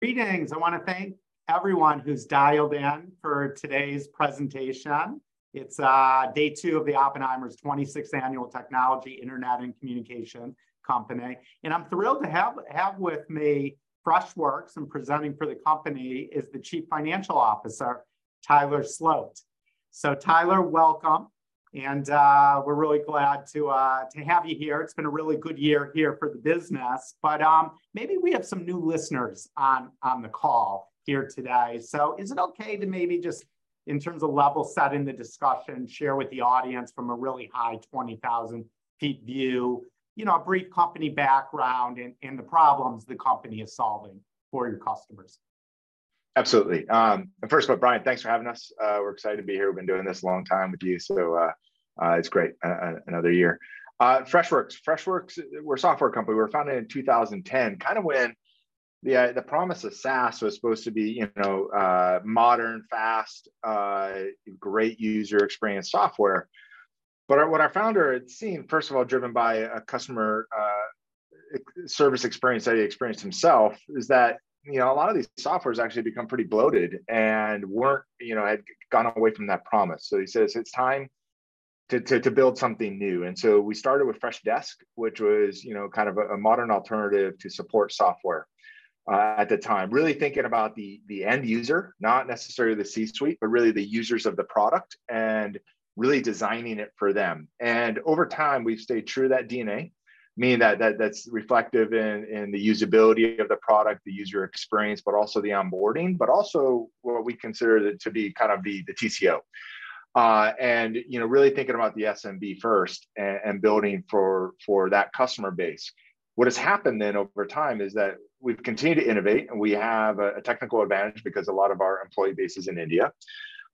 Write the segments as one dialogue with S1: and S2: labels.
S1: Greetings! I want to thank everyone who's dialed in for today's presentation. It's day two of the Oppenheimer's 26th Annual Technology, Internet, and Communication Conference. I'm thrilled to have with me Freshworks, and presenting for the company is the Chief Financial Officer, Tyler Sloat. Tyler, welcome, we're really glad to have you here. It's been a really good year here for the business, maybe we have some new listeners on the call here today. Is it okay to maybe just, in terms of level-setting the discussion, share with the audience from a really high, 20,000-feet view, you know, a brief company background and, and the problems the company is solving for your customers?
S2: Absolutely. First of all, Brian, thanks for having us. We're excited to be here. We've been doing this a long time with you, so it's great, another year. Freshworks. Freshworks, we're a software company. We were founded in 2010, kind of when the promise of SaaS was supposed to be, you know, modern, fast, great user experience software. What our founder had seen, first of all, driven by a customer service experience that he experienced himself, is that, you know, a lot of these softwares actually become pretty bloated and weren't, you know, had gone away from that promise. He says, "It's time to build something new." We started with Freshdesk, which was, you know, kind of a modern alternative to support software at the time. Really thinking about the end user, not necessarily the C-suite, but really the users of the product, and really designing it for them. Over time, we've stayed true to that DNA, meaning that that's reflective in the usability of the product, the user experience, but also the onboarding, but also what we consider it to be kind of the TCO. You know, really thinking about the SMB first and building for that customer base. What has happened then over time is that we've continued to innovate, and we have a technical advantage because a lot of our employee base is in India,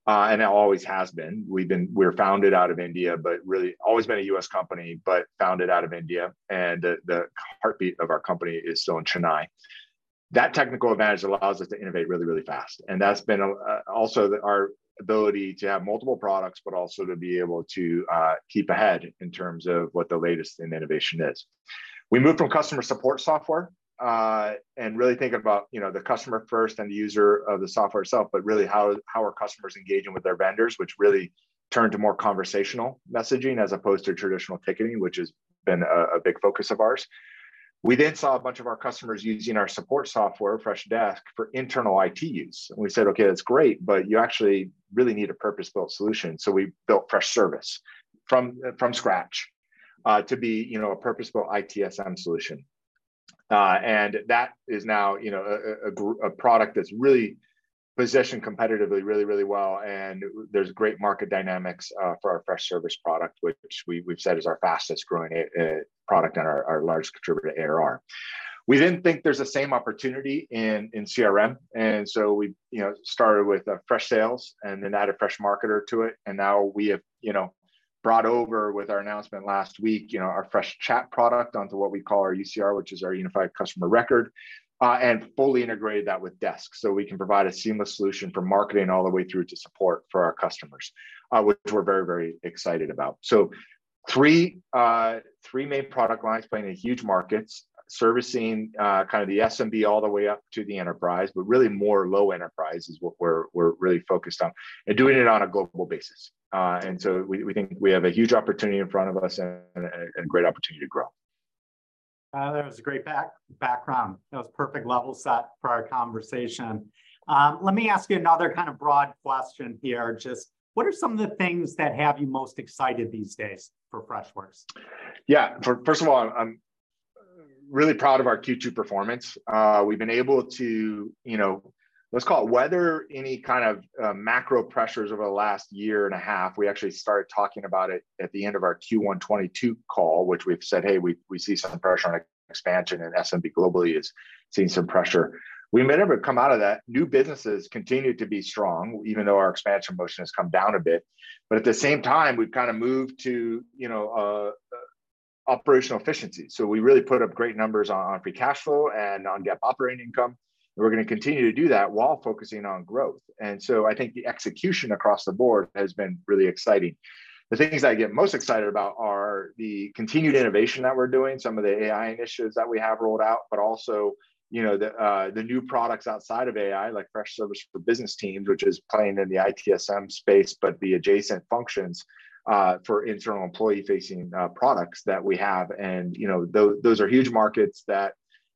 S2: and it always has been. We were founded out of India, but really always been a US company, but founded out of India, and the heartbeat of our company is still in Chennai. That technical advantage allows us to innovate really, really fast, and that's been, also our ability to have multiple products, but also to be able to keep ahead in terms of what the latest in innovation is. We moved from customer support software, and really thinking about, you know, the customer first and the user of the software itself, but really, how, how are customers engaging with their vendors, which really turned to more conversational messaging as opposed to traditional ticketing, which has been a, a big focus of ours. We saw a bunch of our customers using our support software, Freshdesk, for internal IT use, and we said, "Okay, that's great, but you actually really need a purpose-built solution." We built Freshservice from scratch, to be, you know, a purpose-built ITSM solution. That is now, you know, a product that's really positioned competitively really, really well, and there's great market dynamics for our Freshservice product, which we've said is our fastest-growing product and our largest contributor to ARR. We then think there's the same opportunity in, in CRM, and so we, you know, started with Freshsales, and then added Freshmarketer to it. Now we have, you know, brought over with our announcement last week, you know, our Freshchat product onto what we call our UCR, which is our Unified Customer Record, and fully integrated that with Freshdesk. We can provide a seamless solution for marketing all the way through to support for our customers, which we're very, very excited about. Three, three main product lines playing in huge markets, servicing, kind of the SMB all the way up to the enterprise, but really more low enterprise is what we're, we're really focused on, and doing it on a global basis. We think we have a huge opportunity in front of us and, and a great opportunity to grow.
S1: That was a great back- background. That was perfect level set for our conversation. Let me ask you another kind of broad question here. Just what are some of the things that have you most excited these days for Freshworks?
S2: Yeah. First of all, I'm really proud of our Q2 performance. We've been able to, you know, let's call it weather any kind of macro pressures over the last year and a half. We actually started talking about it at the end of our Q1 2022 call, which we've said, "Hey, we, we see some pressure on expansion, and SMB globally is seeing some pressure." We may never come out of that. New businesses continue to be strong, even though our expansion motion has come down a bit. At the same time, we've kind of moved to, you know, operational efficiency. We really put up great numbers on, on free cash flow and on GAAP operating income, and we're gonna continue to do that while focusing on growth. I think the execution across the board has been really exciting. The things I get most excited about are the continued innovation that we're doing, some of the AI initiatives that we have rolled out, but also, you know, the new products outside of AI, like Freshservice for Business Teams, which is playing in the ITSM space, but the adjacent functions for internal employee-facing products that we have. You know, those are huge markets that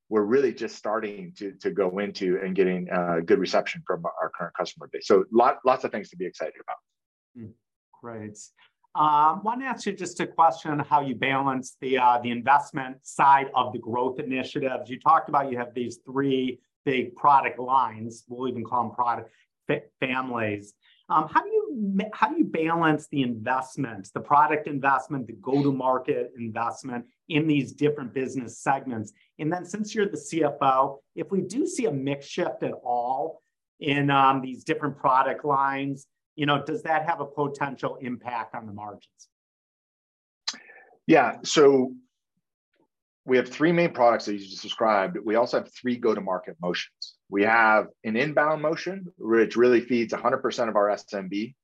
S2: we're really just starting to, to go into and getting good reception from our current customer base. Lots of things to be excited about.
S1: great. I want to ask you just a question on how you balance the investment side of the growth initiatives. You talked about you have these 3 big product lines. We'll even call them product fa- families. How do you ma- how do you balance the investment, the product investment, the go-to-market investment, in these different business segments? Then since you're the CFO, if we do see a mix shift at all in these different product lines, you know, does that have a potential impact on the margins?
S2: Yeah, so we have 3 main products that you just described. We also have 3 go-to-market motions. We have an inbound motion, which really feeds 100% of our SMB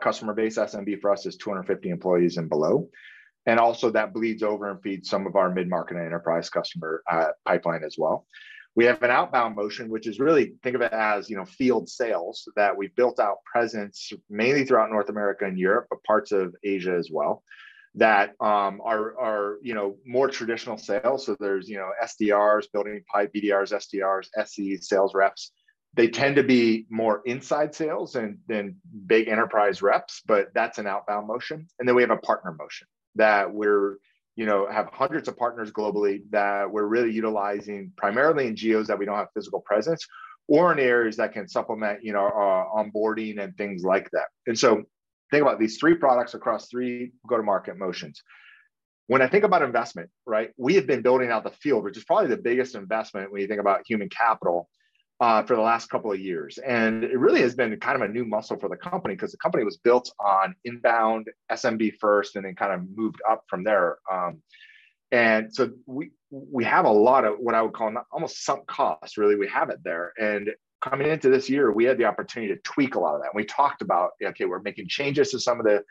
S2: customer base. SMB for us is 250 employees and below, and also that bleeds over and feeds some of our mid-market and enterprise customer pipeline as well. We have an outbound motion, which is really, think of it as, you know, field sales, that we've built out presence mainly throughout North America and Europe, but parts of Asia as well, that are, are, you know, more traditional sales. So there's, you know, SDRs, building pipe BDRs, SDRs, SEs, sales reps. They tend to be more inside sales than, than big enterprise reps, but that's an outbound motion. Then we have a partner motion that we're, you know, have hundreds of partners globally that we're really utilizing primarily in geos that we don't have physical presence, or in areas that can supplement, you know, our, our onboarding and things like that. So think about these 3 products across 3 go-to-market motions. When I think about investment, right? We have been building out the field, which is probably the biggest investment when you think about human capital, for the last 2 years. It really has been kind of a new muscle for the company, 'cause the company was built on inbound SMB first, and then kind of moved up from there. So we, we have a lot of what I would call an almost sunk cost, really, we have it there. Coming into this year, we had the opportunity to tweak a lot of that. We talked about, okay, we're making changes to some of the,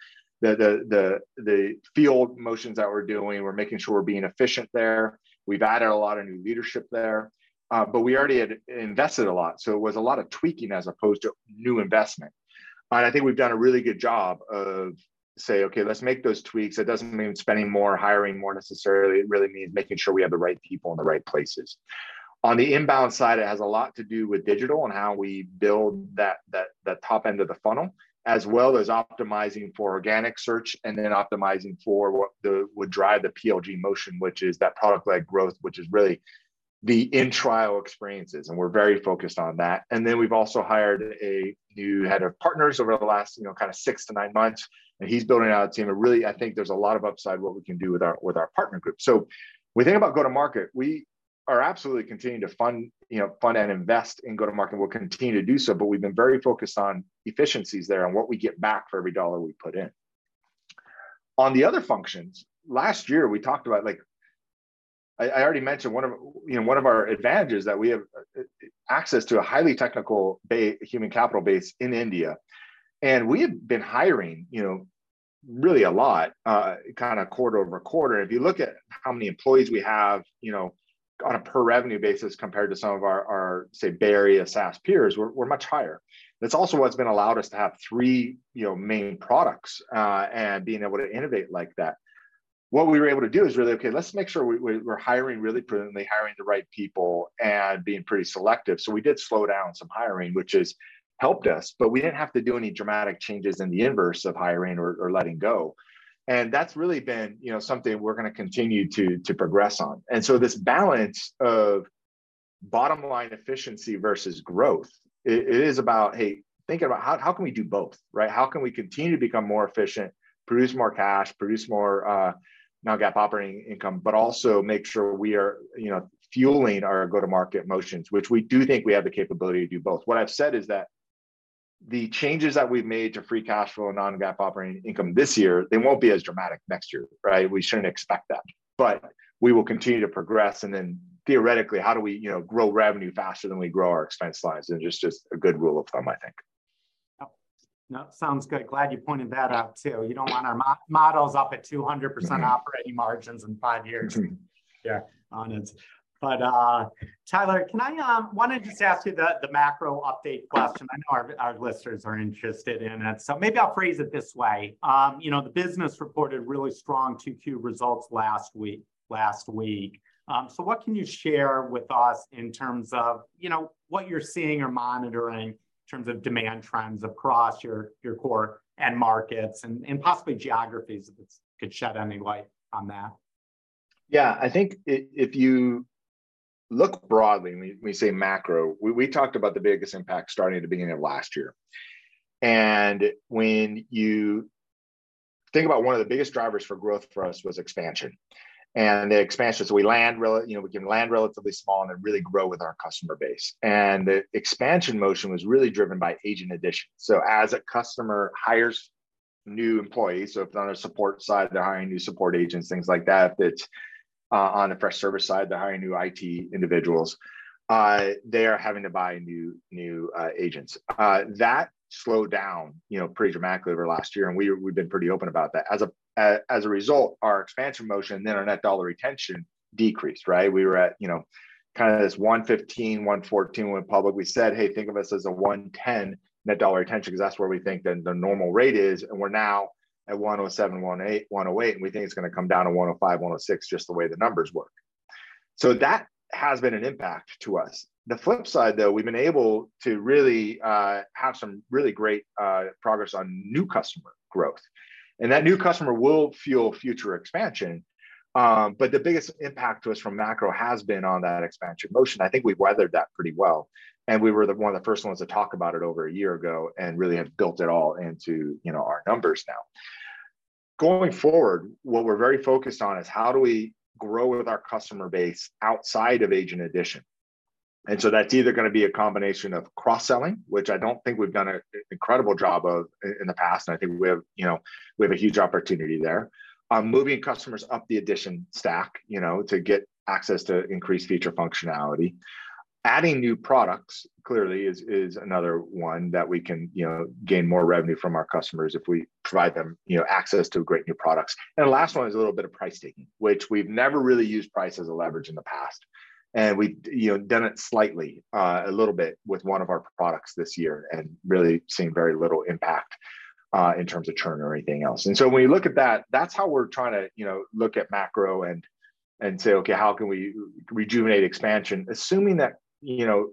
S2: the, the, the, the field motions that we're doing. We're making sure we're being efficient there. We've added a lot of new leadership there, but we already had invested a lot, so it was a lot of tweaking as opposed to new investment. I think we've done a really good job of say, "Okay, let's make those tweaks." It doesn't mean spending more, hiring more necessarily. It really means making sure we have the right people in the right places. On the inbound side, it has a lot to do with digital and how we build that, that, that top end of the funnel, as well as optimizing for organic search, then optimizing for what would drive the PLG motion, which is that product-led growth, which is really the in-trial experiences, and we're very focused on that. Then we've also hired a new head of partners over the last, you know, kind of six to nine months, and he's building out a team. Really, I think there's a lot of upside what we can do with our, with our partner group. When we think about go-to-market, we are absolutely continuing to fund, you know, fund and invest in go-to-market, and we'll continue to do so, but we've been very focused on efficiencies there and what we get back for every dollar we put in. On the other functions, last year, we talked about, like. I, I already mentioned one of, you know, one of our advantages that we have access to a highly technical human capital base in India, and we have been hiring, you know, really a lot, kind of quarter-over-quarter. If you look at how many employees we have, you know, on a per-revenue basis compared to some of our, our, say, Bay Area SaaS peers, we're, we're much higher. That's also what's been allowed us to have three, you know, main products, and being able to innovate like that. What we were able to do is really, okay, let's make sure we, we're hiring really prudently, hiring the right people, and being pretty selective. We did slow down some hiring, which has helped us, but we didn't have to do any dramatic changes in the inverse of hiring or letting go. That's really been, you know, something we're gonna continue to progress on. This balance of bottom-line efficiency versus growth, it is about, hey, thinking about how can we do both, right? How can we continue to become more efficient, produce more cash, produce more non-GAAP operating income, but also make sure we are, you know, fueling our go-to-market motions, which we do think we have the capability to do both. What I've said is that the changes that we've made to free cash flow and non-GAAP operating income this year, they won't be as dramatic next year, right? We shouldn't expect that. We will continue to progress, then theoretically, how do we, you know, grow revenue faster than we grow our expense lines? It's just a good rule of thumb, I think.
S1: Yep. No, sounds good. Glad you pointed that out, too. You don't want our models up at 200% operating margins in five years.
S2: Mm-hmm.
S1: Yeah, on it. Tyler, can I, I wanna just ask you the, the macro update question. I know our, our listeners are interested in it, maybe I'll phrase it this way. You know, the business reported really strong 2Q results last week, last week. What can you share with us in terms of, you know, what you're seeing or monitoring in terms of demand trends across your, your core end markets and, and possibly geographies, if you could shed any light on that?
S2: Yeah. I think if you look broadly when we say macro, we talked about the biggest impact starting at the beginning of last year. When you think about one of the biggest drivers for growth for us was expansion. The expansion, so we land, you know, we can land relatively small and then really grow with our customer base. The expansion motion was really driven by agent addition. As a customer hires new employees, so if they're on a support side, they're hiring new support agents, things like that. If it's on the Freshservice side, they're hiring new IT individuals, they are having to buy new, new agents. That slowed down, you know, pretty dramatically over last year, and we've been pretty open about that. As a result, our expansion motion, then our net dollar retention decreased, right? We were at, you know, kind of this 115, 114 when public we said, "Hey, think of us as a 110 net dollar retention," 'cause that's where we think the, the normal rate is, and we're now at 107, 108, and we think it's gonna come down to 105, 106, just the way the numbers work. That has been an impact to us. The flip side, though, we've been able to really have some really great progress on new customer growth, and that new customer will fuel future expansion. The biggest impact to us from macro has been on that expansion motion. I think we've weathered that pretty well, and we were the, one of the first ones to talk about it over a year ago, and really have built it all into, you know, our numbers now. Going forward, what we're very focused on is how do we grow with our customer base outside of agent addition? So that's either gonna be a combination of cross-selling, which I don't think we've done an incredible job of in the past, and I think we have, you know, we have a huge opportunity there. Moving customers up the edition stack, you know, to get access to increased feature functionality. Adding new products, clearly, is, is another one that we can, you know, gain more revenue from our customers if we provide them, you know, access to great new products. The last one is a little bit of price taking, which we've never really used price as a leverage in the past, we've, you know, done it slightly, a little bit with one of our products this year and really seen very little impact in terms of churn or anything else. When you look at that, that's how we're trying to, you know, look at macro and say, "Okay, how can we rejuvenate expansion?" Assuming that, you know,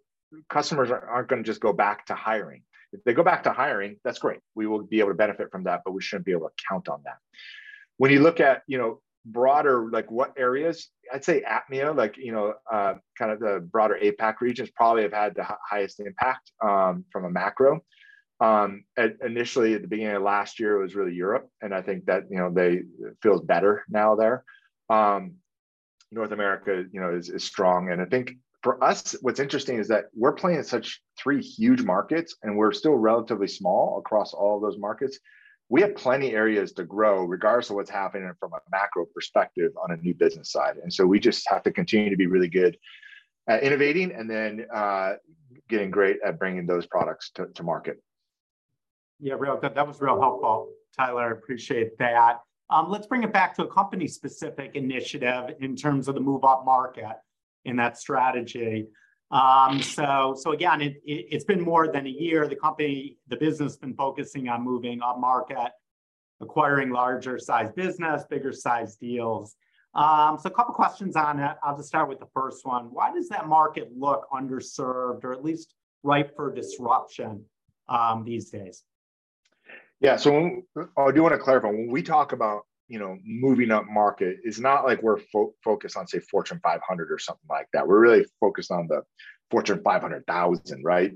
S2: customers are, aren't gonna just go back to hiring. If they go back to hiring, that's great, we will be able to benefit from that, but we shouldn't be able to count on that. When you look at, you know, broader, like, what areas? I'd say APMEA, like, you know, kind of the broader APAC regions probably have had the highest impact from a macro. Initially, at the beginning of last year, it was really Europe, and I think that, you know, it feels better now there. North America, you know, is strong. I think for us, what's interesting is that we're playing in such three huge markets, and we're still relatively small across all those markets. We have plenty areas to grow regardless of what's happening from a macro perspective on a new business side. So we just have to continue to be really good at innovating and then getting great at bringing those products to market.
S1: Yeah, That, that was real helpful, Tyler. I appreciate that. Let's bring it back to a company-specific initiative in terms of the move-up market and that strategy. Again, it's been more than a year. The business has been focusing on moving upmarket, acquiring larger-sized business, bigger-sized deals. A couple questions on that. I'll just start with the first one: Why does that market look underserved or at least ripe for disruption these days?
S2: Yeah. I do want to clarify, when we talk about, you know, moving upmarket, it's not like we're focused on, say, Fortune 500 or something like that. We're really focused on the Fortune 500,000, right?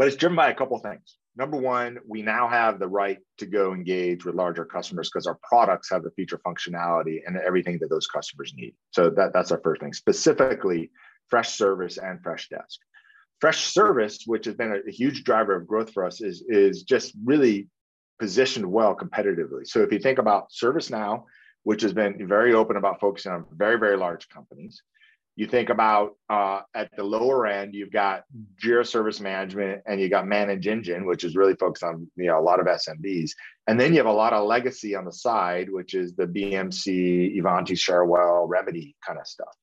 S2: It's driven by two things. Number one, we now have the right to go engage with larger customers 'cause our products have the feature functionality and everything that those customers need. That, that's our first thing, specifically Freshservice and Freshdesk. Freshservice, which has been a huge driver of growth for us, is just really positioned well competitively. If you think about ServiceNow, which has been very open about focusing on very, very large companies, you think about at the lower end, you've got Jira Service Management, and you've got ManageEngine, which is really focused on, you know, a lot of SMBs. Then you have a lot of legacy on the side, which is the BMC, Ivanti, Cherwell, Remedy kind of stuff.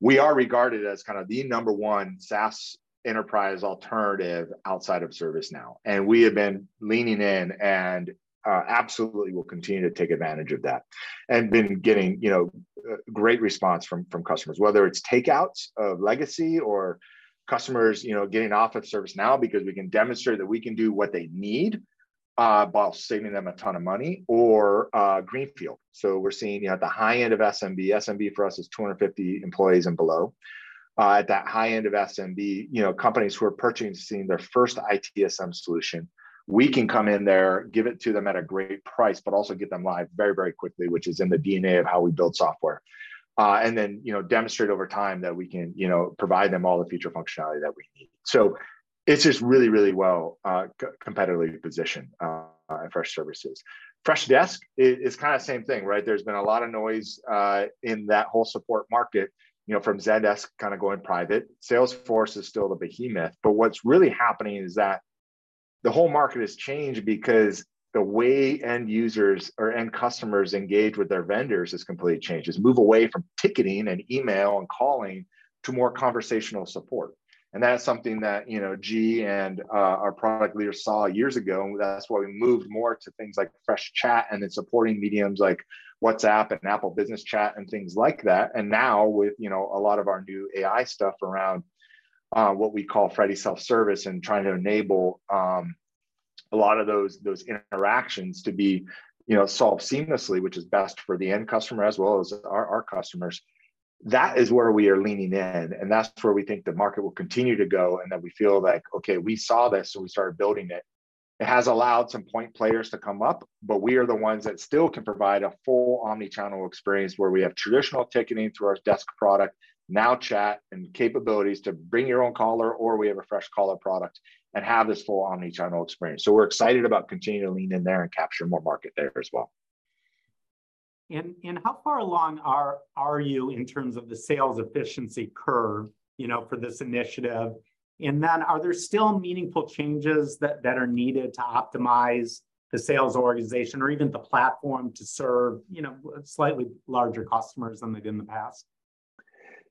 S2: We are regarded as kind of the number one SaaS enterprise alternative outside of ServiceNow, and we have been leaning in and absolutely will continue to take advantage of that. Been getting, you know, great response from customers, whether it's takeouts of legacy or customers, you know, getting off of ServiceNow because we can demonstrate that we can do what they need while saving them a ton of money or greenfield. We're seeing, you know, at the high end of SMB, SMB for us is 250 employees and below. At that high end of SMB, you know, companies who are purchasing their first ITSM solution, we can come in there, give it to them at a great price, but also get them live very, very quickly, which is in the DNA of how we build software. You know, demonstrate over time that we can, you know, provide them all the feature functionality that we need. It's just really, really well, competitively positioned at Freshservice. Freshdesk is kind of same thing, right? There's been a lot of noise in that whole support market, you know, from Zendesk kind of going private. Salesforce is still the behemoth, but what's really happening is that the whole market has changed because the way end users or end customers engage with their vendors has completely changed. Just move away from ticketing and email and calling to more conversational support, and that's something that, you know, G and our product leader saw years ago, and that's why we moved more to things like Freshchat and then supporting mediums like WhatsApp and Apple Business Chat and things like that. Now with, you know, a lot of our new AI stuff around what we call Freddy Self Service and trying to enable a lot of those, those interactions to be, you know, solved seamlessly, which is best for the end customer as well as our, our customers. That is where we are leaning in, and that's where we think the market will continue to go, and then we feel like, "Okay, we saw this, so we started building it." It has allowed some point players to come up, but we are the ones that still can provide a full omnichannel experience, where we have traditional ticketing through our Desk product, now chat and capabilities to bring your own caller, or we have a Freshcaller product and have this full omnichannel experience. We're excited about continuing to lean in there and capture more market there as well.
S1: How far along are you in terms of the sales efficiency curve, you know, for this initiative? Are there still meaningful changes that are needed to optimize the sales organization or even the platform to serve, you know, slightly larger customers than they did in the past?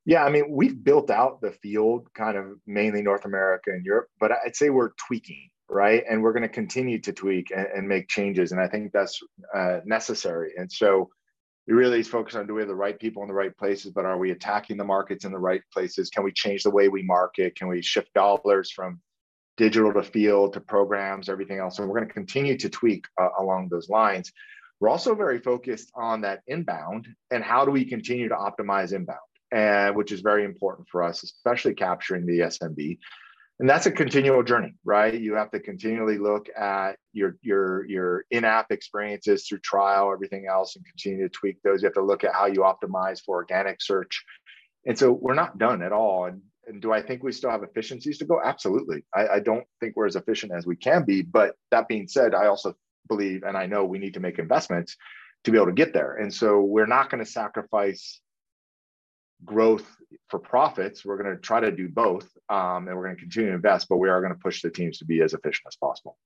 S2: Yeah, I mean, we've built out the field, kind of mainly North America and Europe, but I'd say we're tweaking, right? We're gonna continue to tweak and make changes, and I think that's necessary. It really is focused on, do we have the right people in the right places, but are we attacking the markets in the right places? Can we change the way we market? Can we shift dollars from digital to field to programs, everything else? We're gonna continue to tweak along those lines. We're also very focused on that inbound, and how do we continue to optimize inbound? Which is very important for us, especially capturing the SMB. That's a continual journey, right? You have to continually look at your, your, your in-app experiences through trial, everything else, and continue to tweak those. You have to look at how you optimize for organic search. We're not done at all. Do I think we still have efficiencies to go? Absolutely. I, I don't think we're as efficient as we can be, but that being said, I also believe, and I know we need to make investments to be able to get there. We're not gonna sacrifice growth for profits. We're gonna try to do both, and we're gonna continue to invest, but we are gonna push the teams to be as efficient as possible.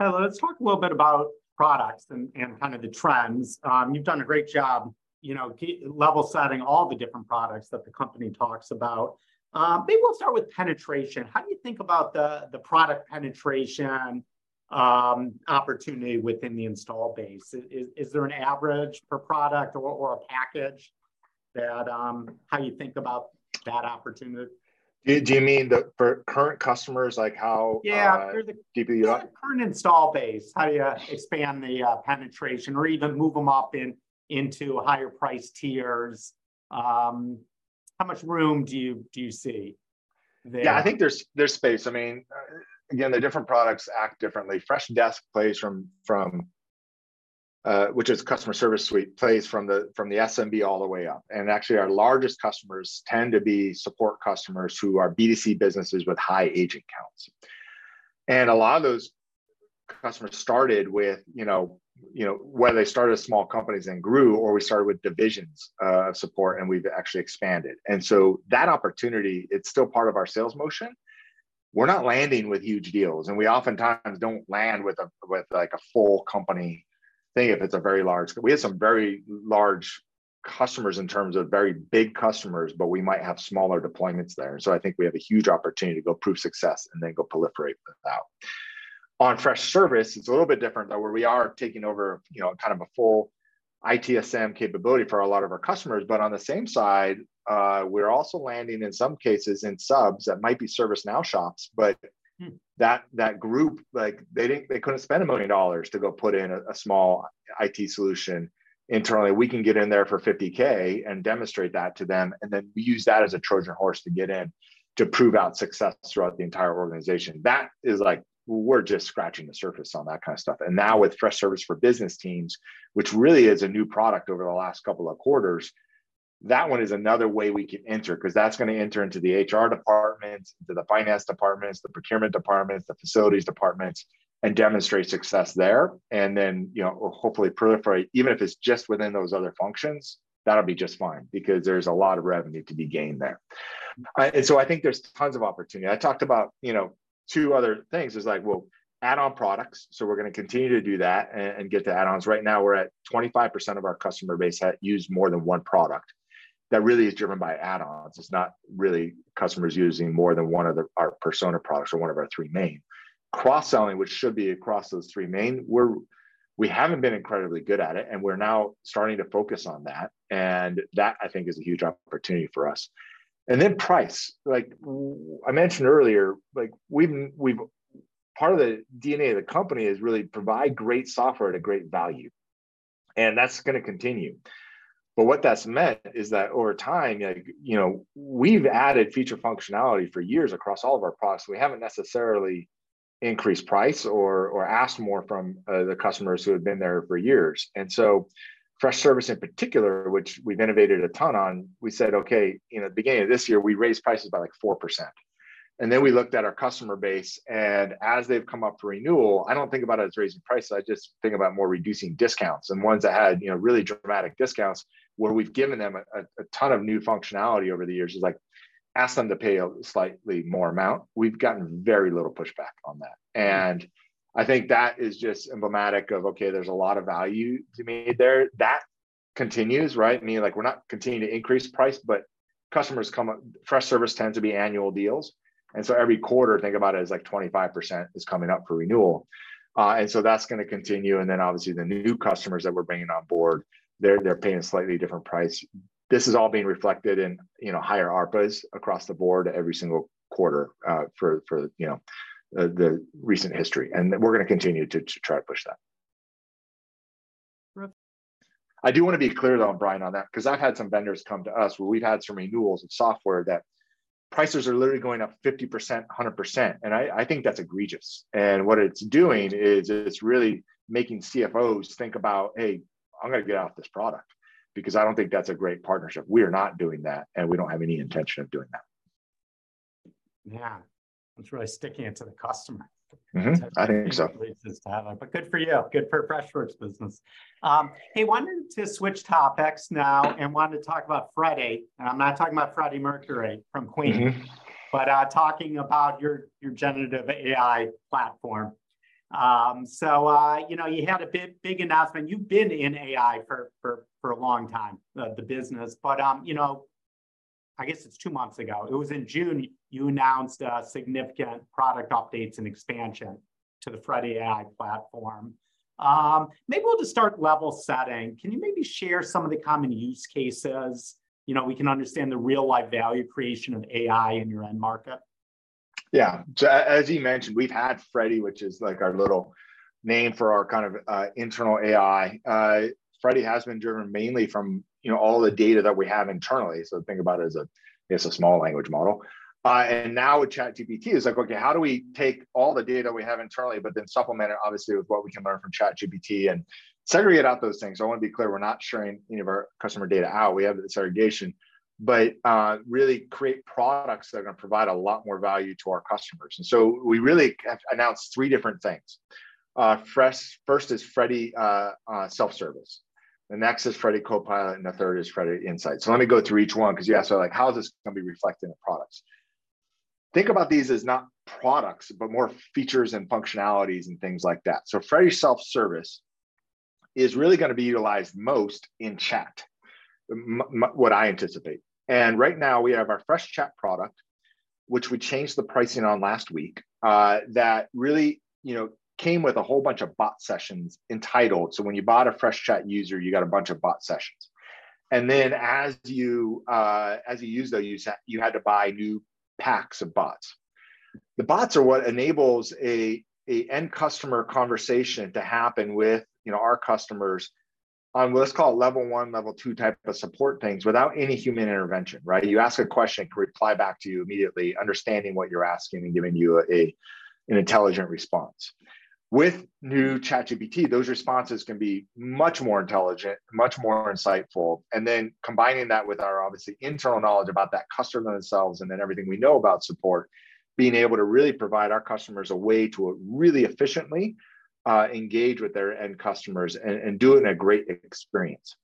S1: Hello, let's talk a little bit about products and, and kind of the trends. You've done a great job, you know, level setting all the different products that the company talks about. Maybe we'll start with penetration. How do you think about the, the product penetration opportunity within the install base? Is, is there an average per product or, or a package that how you think about that opportunity?
S2: Do you mean the, for current customers, like how?
S1: Yeah.
S2: DPUI?
S1: Current install base, how do you expand the penetration or even move them up in, into higher price tiers? How much room do you, do you see there?
S2: Yeah, I think there's, there's space. I mean, again, the different products act differently. Freshdesk plays from, from, which is Customer Service Suite, plays from the SMB all the way up. Actually, our largest customers tend to be support customers who are B2C businesses with high agent counts. A lot of those customers started with, you know, you know, whether they started as small companies and grew, or we started with divisions of support, and we've actually expanded. That opportunity, it's still part of our sales motion. We're not landing with huge deals, and we oftentimes don't land with with, like, a full company thing if it's a very large... We have some very large customers in terms of very big customers, we might have smaller deployments there. I think we have a huge opportunity to go prove success and then go proliferate that out. On Freshservice, it's a little bit different, though, where we are taking over, you know, kind of a full ITSM capability for a lot of our customers. On the same side, we're also landing, in some cases, in subs that might be ServiceNow shops.
S1: Mm ...
S2: that, that group, like, they couldn't spend $1 million to go put in a, a small IT solution internally. We can get in there for $50,000 and demonstrate that to them, then we use that as a Trojan horse to get in, to prove out success throughout the entire organization. That is like... we're just scratching the surface on that kind of stuff. Now with Freshservice for Business Teams, which really is a new product over the last couple of quarters, that one is another way we can enter, 'cause that's gonna enter into the HR departments, into the finance departments, the procurement departments, the facilities departments, and demonstrate success there. Then, you know, we'll hopefully proliferate. Even if it's just within those other functions, that'll be just fine because there's a lot of revenue to be gained there. I think there's tons of opportunity. I talked about, you know, 2 other things, is like, we'll add on products, we're gonna continue to do that and get the add-ons. Right now, we're at 25% of our customer base had used more than 1 product. That really is driven by add-ons. It's not really customers using more than 1 of our persona products or 1 of our 3 main. Cross-selling, which should be across those 3 main, we haven't been incredibly good at it, we're now starting to focus on that, that, I think, is a huge opportunity for us. Price, like I mentioned earlier, like, we've been, Part of the DNA of the company is really provide great software at a great value, that's gonna continue. What that's meant is that over time, like, you know, we've added feature functionality for years across all of our products. We haven't necessarily increased price or, or asked more from the customers who have been there for years. Freshservice, in particular, which we've innovated a ton on, we said, "Okay," you know, at the beginning of this year, we raised prices by, like, 4%. Then we looked at our customer base, and as they've come up for renewal, I don't think about it as raising prices, I just think about more reducing discounts. Ones that had, you know, really dramatic discounts, where we've given them a, a, a ton of new functionality over the years, it's like, ask them to pay a slightly more amount. We've gotten very little pushback on that. I think that is just emblematic of, okay, there's a lot of value to me there. That continues, right? I mean, like, we're not continuing to increase price, but Freshservice tends to be annual deals, and so every quarter, think about it as like 25% is coming up for renewal. That's gonna continue, and then obviously, the new customers that we're bringing on board, they're, they're paying a slightly different price. This is all being reflected in, you know, higher ARPUs across the board every single quarter, for, for, you know, the, the recent history, and we're gonna continue to, to try to push that.
S1: Rob-
S2: I do want to be clear, though, Brian, on that, 'cause I've had some vendors come to us where we've had some renewals of software that prices are literally going up 50%, 100%, and I, I think that's egregious. What it's doing is it's really making CFOs think about, "Hey, I'm gonna get off this product, because I don't think that's a great partnership." We are not doing that, and we don't have any intention of doing that.
S1: Yeah, that's really sticking it to the customer.
S2: Mm-hmm. I think so.
S1: Good for you. Good for Freshworks business. Hey, wanted to switch topics now and wanted to talk about Freddy, and I'm not talking about Freddie Mercury from Queen.
S2: Mm-hmm...
S1: but, talking about your, your generative AI platform. You know, you had a big, big announcement. You've been in AI for, for, for a long time, the, the business. You know, I guess it's 2 months ago, it was in June, you announced significant product updates and expansion to the Freddy AI platform. Maybe we'll just start level setting. Can you maybe share some of the common use cases? You know, we can understand the real-life value creation of AI in your end market.
S2: Yeah, so as you mentioned, we've had Freddy, which is, like, our little name for our kind of internal AI. Freddy has been driven mainly from, you know, all the data that we have internally, so think about it as a small language model. Now with ChatGPT, it's like, okay, how do we take all the data we have internally, but then supplement it, obviously, with what we can learn from ChatGPT and segregate out those things? I wanna be clear, we're not sharing any of our customer data out. We have the segregation. Really create products that are gonna provide a lot more value to our customers, and so we really have announced three different things. First is Freddy Self Service, the next is Freddy Copilot, and the third is Freddy Insights. Let me go through each one, 'cause you asked, like, how is this gonna be reflected in the products? Think about these as not products, but more features and functionalities and things like that. Freddy Self Service is really gonna be utilized most in chat, what I anticipate, and right now, we have our Freshchat product, which we changed the pricing on last week, that really, you know, came with a whole bunch of bot sessions entitled. When you bought a Freshchat user, you got a bunch of bot sessions, and then as you, as you use those, you had to buy new packs of bots. The bots are what enables a, a end customer conversation to happen with, you know, our customers on, let's call it, level one, level two type of support things without any human intervention, right? You ask a question, it can reply back to you immediately, understanding what you're asking and giving you a, an intelligent response. With new ChatGPT, those responses can be much more intelligent, much more insightful, and then combining that with our, obviously, internal knowledge about that customer themselves, and then everything we know about support, being able to really provide our customers a way to really efficiently engage with their end customers and doing a great experience.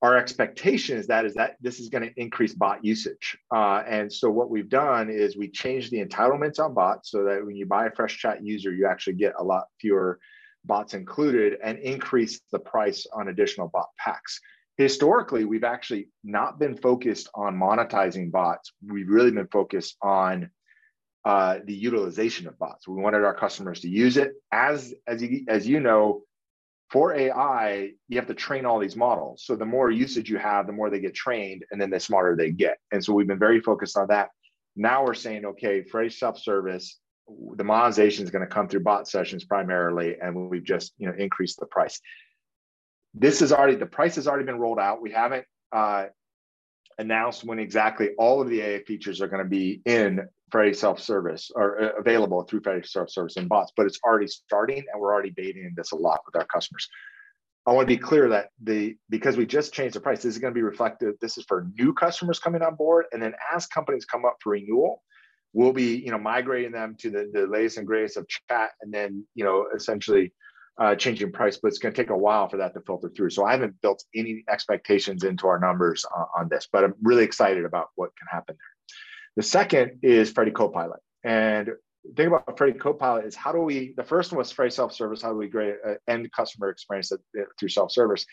S2: Our expectation is that, is that this is gonna increase bot usage. What we've done is we changed the entitlements on bots, so that when you buy a Freshchat user, you actually get a lot fewer bots included and increase the price on additional bot packs. Historically, we've actually not been focused on monetizing bots. We've really been focused on the utilization of bots. We wanted our customers to use it. As you know, for AI, you have to train all these models, so the more usage you have, the more they get trained, and then the smarter they get. So we've been very focused on that. Now we're saying, "Okay, Freddy Self Service, the monetization is gonna come through bot sessions primarily. We've just, you know, increased the price." This is already. The price has already been rolled out. We haven't announced when exactly all of the AI features are gonna be in Freddy Self Service or available through Freddy Self Service and bots. It's already starting. We're already beta-ing this a lot with our customers. I wanna be clear that because we just changed the price, this is gonna be reflective. This is for new customers coming on board. As companies come up for renewal, we'll be, you know, migrating them to the, the latest and greatest of chat and then, you know, essentially changing price, but it's gonna take a while for that to filter through. I haven't built any expectations into our numbers on this, but I'm really excited about what can happen there. The second is Freddy Copilot, and the thing about Freddy Copilot is the first one was Freddy Self Service, how do we create a end customer experience through self-service?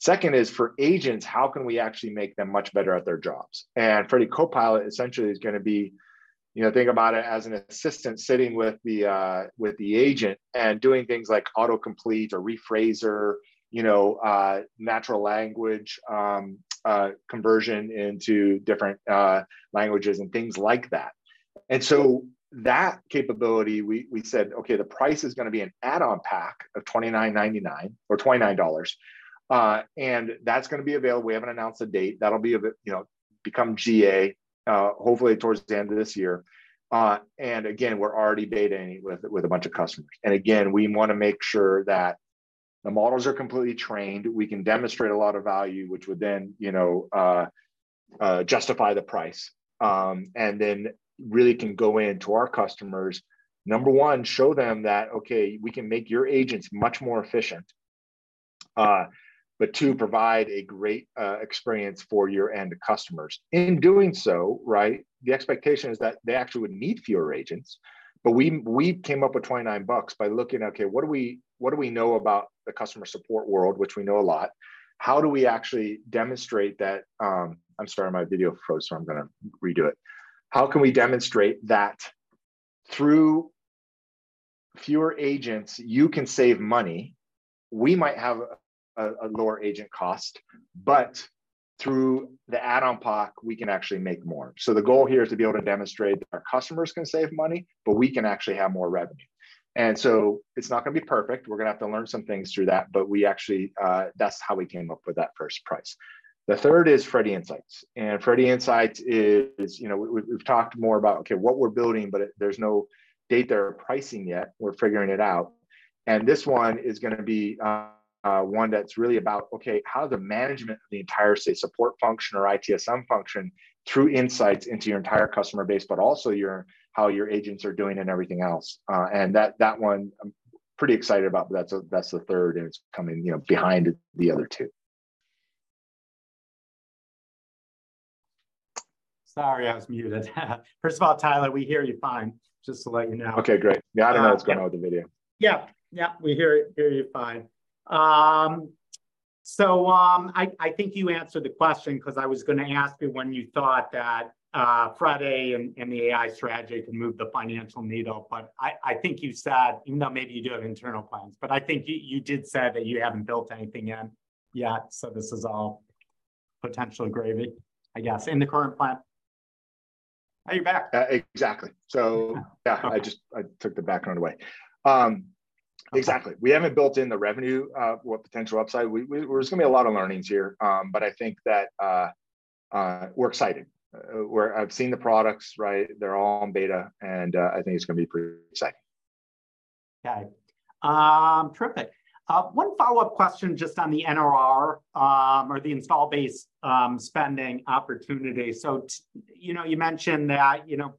S2: Second is, for agents, how can we actually make them much better at their jobs? Freddy Copilot essentially is gonna be, you know, think about it as an assistant sitting with the agent and doing things like auto-complete or rephraser, you know, natural language conversion into different languages and things like that. That capability, we, we said, "Okay, the price is gonna be an add-on pack of $29.99 or $29," and that's gonna be available. We haven't announced a date. That'll be, you know, become GA, hopefully towards the end of this year. Again, we're already beta-ing with a bunch of customers. Again, we wanna make sure that the models are completely trained, we can demonstrate a lot of value, which would then, you know, justify the price, and then really can go in to our customers, number one, show them that, "Okay, we can make your agents much more efficient," but two, provide a great experience for your end customers. In doing so, right, the expectation is that they actually would need fewer agents, but we, we came up with $29 by looking, "Okay, what do we, what do we know about the customer support world?" Which we know a lot. How do we actually demonstrate that. I'm sorry, my video froze, so I'm gonna redo it. How can we demonstrate that through fewer agents, you can save money? We might have a lower agent cost, but through the add-on pack, we can actually make more. The goal here is to be able to demonstrate that our customers can save money, but we can actually have more revenue. It's not gonna be perfect. We're gonna have to learn some things through that, but we actually, that's how we came up with that first price. The third is Freddy Insights. Freddy Insights is, you know, we've, we've talked more about, okay, what we're building, but there's no date or pricing yet. We're figuring it out. This one is gonna be one that's really about, okay, how the management of the entire, say, support function or ITSM function through insights into your entire customer base, but also your, how your agents are doing and everything else. That, that one, I'm pretty excited about, but that's, that's the third, and it's coming, you know, behind the other two.
S1: Sorry, I was muted. First of all, Tyler, we hear you fine, just to let you know.
S2: Okay, great.
S1: Uh-
S2: Yeah, I don't know what's going on with the video.
S1: Yeah, yeah, we hear, hear you fine. I, I think you answered the question, 'cause I was gonna ask you when you thought that Freddy and the AI strategy can move the financial needle, but I, I think you said, even though maybe you do have internal plans, but I think you, you did say that you haven't built anything in yet, so this is all potential gravy, I guess, in the current plan. Are you back?
S2: exactly. yeah-
S1: Okay...
S2: I just, I took the background away. Exactly. We haven't built in the revenue or potential upside. We, we- there's gonna be a lot of learnings here, but I think that we're excited. we're- I've seen the products, right? They're all on beta, and I think it's gonna be pretty exciting.
S1: Yeah. Terrific. One follow-up question just on the NRR, or the install base, spending opportunity. You know, you mentioned that, you know,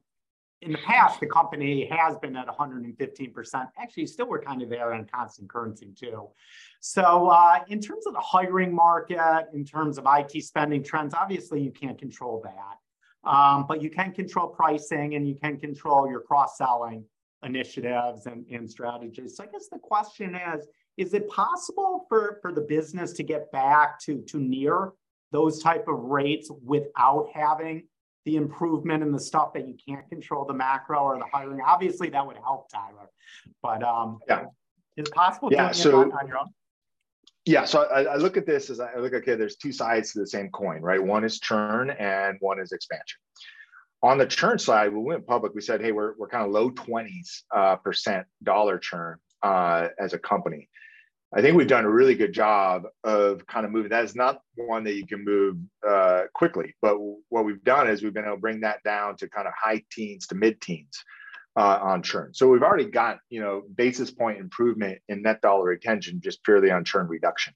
S1: in the past, the company has been at 115%. Actually, still we're kind of there on constant currency, too. In terms of the hiring market, in terms of IT spending trends, obviously, you can't control that. But you can control pricing, and you can control your cross-selling initiatives and, and strategies. I guess the question is: is it possible for, for the business to get back to, to near those type of rates without having the improvement in the stuff that you can't control, the macro or the hiring? Obviously, that would help, Tyler, but.
S2: Yeah...
S1: is it possible to-
S2: Yeah.
S1: on your own?
S2: Yeah, so I, I look at this as I look, okay, there's 2 sides to the same coin, right? One is churn, and one is expansion. On the churn side, when we went public, we said, "Hey, we're, we're kind of low 20s % dollar churn as a company." I think we've done a really good job of kind of moving. That is not one that you can move quickly, but what we've done is we've been able to bring that down to kind of high teens to mid-teens on churn. We've already got, you know, basis point improvement in net dollar retention just purely on churn reduction.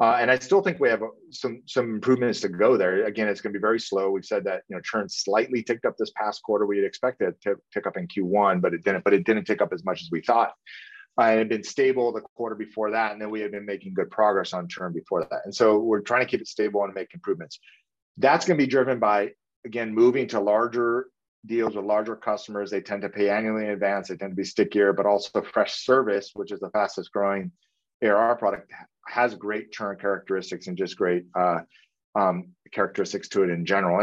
S2: I still think we have some, some improvements to go there. Again, it's gonna be very slow. We've said that, you know, churn slightly ticked up this past quarter. We had expected it to tick up in Q1, but it didn't, but it didn't tick up as much as we thought. It had been stable the quarter before that, then we had been making good progress on churn before that. We're trying to keep it stable and make improvements. That's gonna be driven by, again, moving to larger deals with larger customers. They tend to pay annually in advance. They tend to be stickier, also the Freshservice, which is the fastest-growing ARR product, has great churn characteristics and just great characteristics to it in general.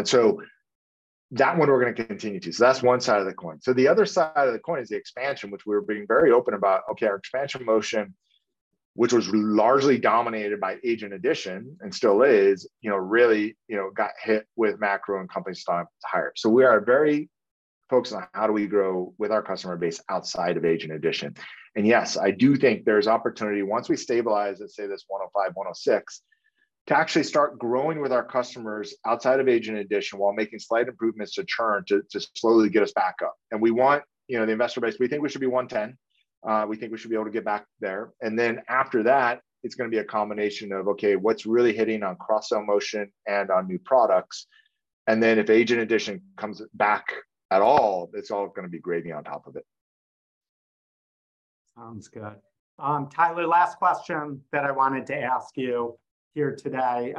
S2: That one we're gonna continue to do. That's one side of the coin. The other side of the coin is the expansion, which we're being very open about. Okay, our expansion motion, which was largely dominated by agent addition, and still is, you know, really, you know, got hit with macro and companies stopping hire. We are very focused on how do we grow with our customer base outside of agent addition. Yes, I do think there's opportunity, once we stabilize, let's say, this 105, 106, to actually start growing with our customers outside of agent addition while making slight improvements to churn to slowly get us back up. We want. You know, the investor base, we think we should be 110. We think we should be able to get back there, and then after that, it's gonna be a combination of, okay, what's really hitting on cross-sell motion and on new products? Then if agent addition comes back at all, it's all gonna be gravy on top of it.
S1: Sounds good. Tyler, last question that I wanted to ask you here today.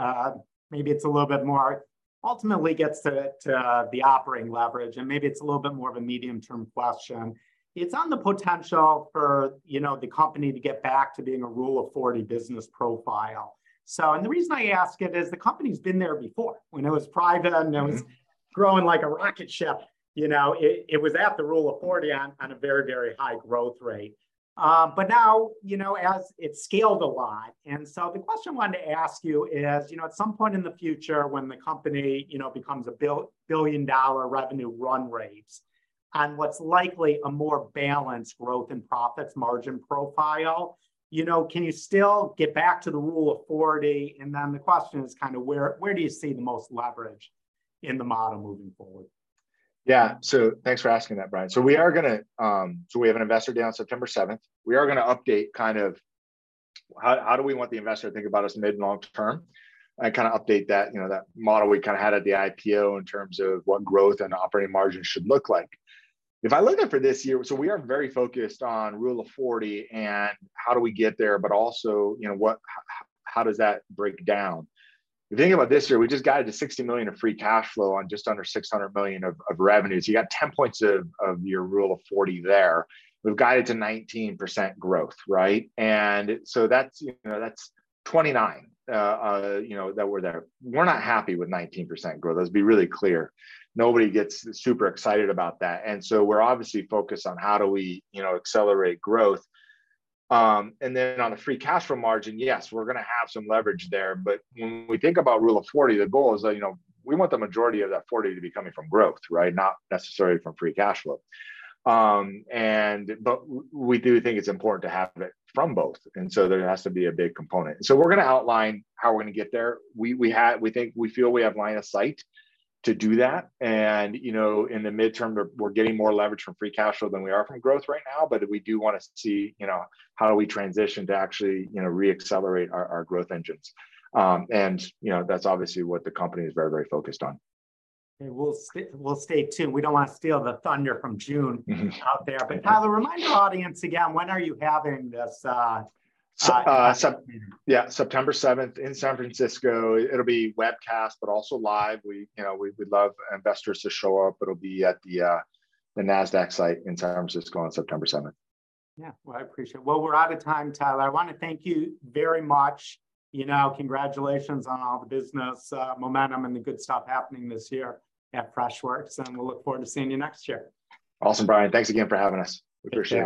S1: maybe it's a little bit more... Ultimately gets to, to the operating leverage, and maybe it's a little bit more of a medium-term question. It's on the potential for, you know, the company to get back to being a Rule of 40 business profile. The reason I ask it is the company's been there before. When it was private, and it was-
S2: Mm-hmm...
S1: growing like a rocket ship, you know, it, it was at the Rule of 40 on, on a very, very high growth rate. Now, you know, as it's scaled a lot, the question I wanted to ask you is, you know, at some point in the future when the company, you know, becomes a billion-dollar revenue run rates, on what's likely a more balanced growth and profits margin profile, you know, can you still get back to the Rule of 40? The question is kind of where, where do you see the most leverage in the model moving forward?
S2: Yeah. Thanks for asking that, Brian. We have an investor day on September 7th. We are gonna update, kind of, how, how do we want the investor to think about us mid- and long-term, and kind of update that, you know, that model we kind of had at the IPO in terms of what growth and operating margins should look like. If I look at for this year, we are very focused on Rule of 40, and how do we get there, but also, you know, how does that break down? If you think about this year, we just guided to $60 million of free cash flow on just under $600 million of revenues. You got 10 points of your Rule of 40 there. We've guided to 19% growth, right? That's, you know, that's 29, you know, that we're there. We're not happy with 19% growth. Let's be really clear. Nobody gets super excited about that. We're obviously focused on how do we, you know, accelerate growth. On the free cash flow margin, yes, we're gonna have some leverage there, but when we think about Rule of 40, the goal is that, you know, we want the majority of that 40 to be coming from growth, right? Not necessarily from free cash flow. We do think it's important to have it from both. There has to be a big component. We're gonna outline how we're gonna get there. We feel we have line of sight to do that. You know, in the midterm, we're, we're getting more leverage from free cash flow than we are from growth right now, but we do want to see, you know, how do we transition to actually, you know, re-accelerate our, our growth engines. You know, that's obviously what the company is very, very focused on.
S1: Okay, we'll stay, we'll stay tuned. We don't want to steal the thunder from June-
S2: Mm-hmm...
S1: out there.
S2: Okay.
S1: Tyler, remind our audience again, when are you having this?
S2: Yeah, September 7th in San Francisco. It'll be webcast, but also live. We, you know, we, we'd love investors to show up. It'll be at the Nasdaq site in San Francisco on September 7th.
S1: Yeah. Well, I appreciate it. Well, we're out of time, Tyler. I want to thank you very much. You know, congratulations on all the business, momentum and the good stuff happening this year at Freshworks. We'll look forward to seeing you next year.
S2: Awesome, Brian. Thanks again for having us. We appreciate it.